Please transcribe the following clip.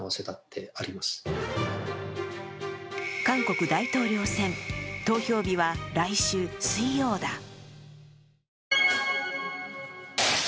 韓国大統領選、投票日は来週水曜だ。